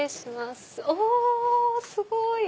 おすごい！